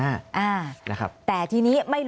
อันดับที่สุดท้าย